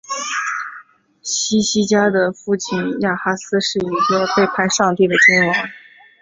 希西家的父亲亚哈斯是一个背逆上帝的君王。